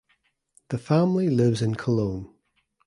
The family lives in Cologne.